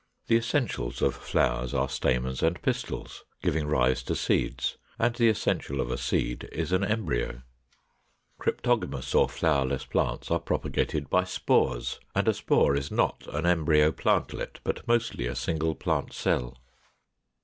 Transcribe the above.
The essentials of flowers are stamens and pistils, giving rise to seeds, and the essential of a seed is an embryo (8). Cryptogamous or Flowerless plants are propagated by SPORES; and a spore is not an embryo plantlet, but mostly a single plant cell (399).